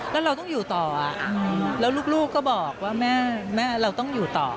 แล้วเราต้องอยู่ต่อแล้วลูกก็บอกว่าแม่เราต้องอยู่ต่อ